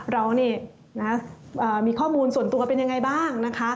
เรามีข้อมูลส่วนตัวเป็นอย่างไรบ้าง